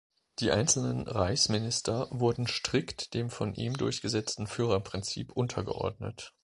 Die einzelnen Reichsminister wurden strikt dem von ihm durchgesetzten Führerprinzip untergeordnet.